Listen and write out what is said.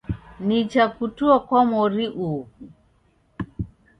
Nicha kutua kwa mori ughu